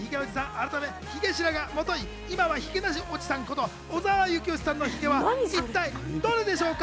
改めヒゲ白髪もとい今はヒゲなしおじさんこと小澤征悦さんのヒゲは一体どれでしょうか？